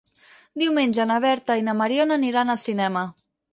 Diumenge na Berta i na Mariona aniran al cinema.